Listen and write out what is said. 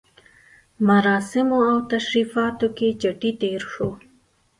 مراسمو او تشریفاتو کې چټي تېر شو.